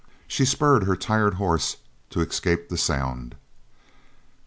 She spurred her tired horse to escape the sound.